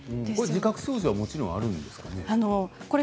自覚症状はもちろんあるんですかね。